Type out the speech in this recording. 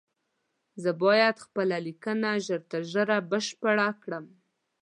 زه بايد خپله ليکنه ژر تر ژره بشپړه کړم